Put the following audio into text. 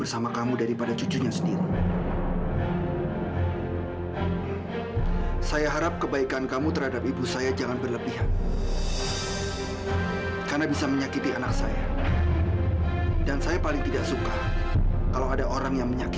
sampai jumpa di video selanjutnya